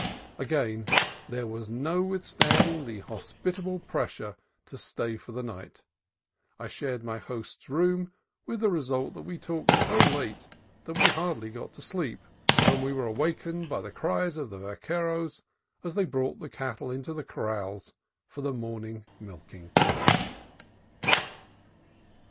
Again there was no withstanding the hospitable pressure to stay for the night. I shared my hosts' room, with the result that we talked so late that we had hardly got to sleep when we were awakened by the cries of the vaqueros as they brought the cattle into the corrals for the morning milking.